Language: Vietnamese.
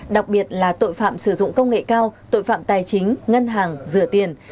đặc biệt là tội phạm sử dụng công nghệ cao tội phạm tài chính ngân hàng rửa tiền